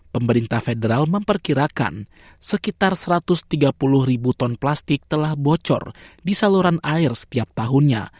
pemerintah federal memperkirakan sekitar satu ratus tiga puluh ribu ton plastik telah bocor di saluran air setiap tahunnya